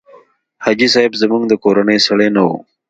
حاجي صاحب زموږ د کورنۍ سړی نه و.